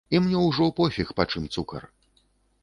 І мне ўжо пофіг, па чым цукар.